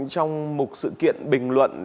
trong một sự kiện bình luận